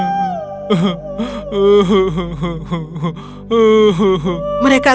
padahal mereka akan berdua salju bersama sama